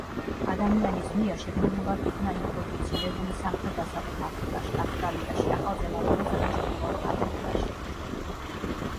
ადამიანის მიერ შეგნებულად იქნა ინტროდუცირებული სამხრეთ-დასავლეთ აფრიკაში, ავსტრალიაში, ახალ ზელანდიასა და ჩრდილოეთ ამერიკაში.